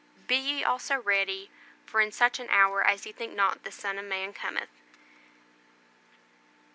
"Be ye also ready: for in such an hour as ye think not the Son of Man cometh."